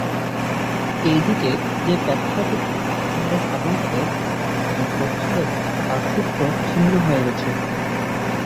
এ দিকে যে ব্যাবসাটুকু ধরে কোনোমতে তার দিন চলছিল তার সূত্র ছিন্ন হয়ে গেছে।